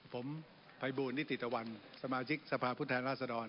ผมใบบูรณิตดีตะวันสมาชิกสภาผู้แทนราศดร